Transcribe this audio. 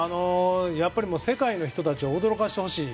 やっぱり世界の人たちを驚かしてほしい。